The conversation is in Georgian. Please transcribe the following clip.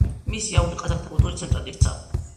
მისი აული ყაზახთა კულტურის ცენტრად იქცა.